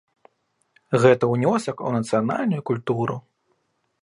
Гэта ўнёсак у нацыянальную культуру.